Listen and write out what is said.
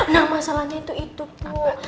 nah masalahnya itu itu bu